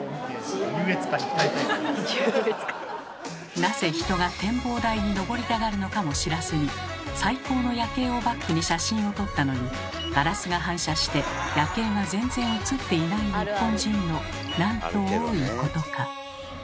なぜ人が展望台にのぼりたがるのかも知らずに最高の夜景をバックに写真を撮ったのにガラスが反射して夜景が全然写っていない日本人のなんと多いことか。